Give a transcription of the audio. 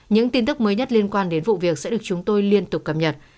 những tin tức mới nhất liên quan đến vụ việc sẽ được chúng tôi liên tục cập nhật